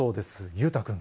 裕太君。